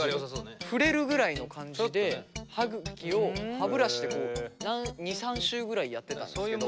触れるぐらいの感じで歯ぐきを歯ブラシでこう２３周ぐらいやってたんですけど。